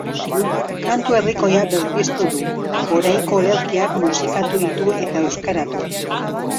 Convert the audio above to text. Kantu herrikoia berpiztu du, oraiko olerkiak musikatu ditu eta euskaratu.